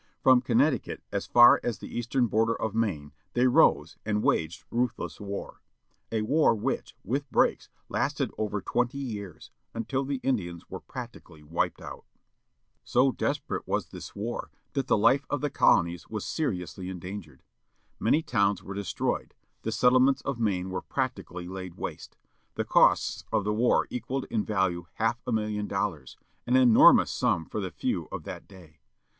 From Connecticut as far as the eastern border of Maine they rose, and waged ruthless war. A war which, with breaks, lasted for over twenty yearsâ until the Indians were practically wiped out., 15 NIGHT ATTACK BY INDIANS i6 KING PHILIP'S WAR, 1675 So desperate was this war that the Hfe of the colonies was seriously endangered. Many towns were destroyed, the settlements of Maine were practically laid waste. The costs of the war equalled in value half a million dollars â an enormous sum for the few of that day.